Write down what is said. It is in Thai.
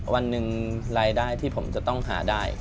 วันหนึ่งรายได้ที่ผมจะต้องหาได้